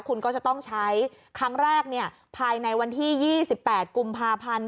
คุณก็จะต้องใช้ครั้งแรกภายในวันที่๒๘กุมภาพันธ์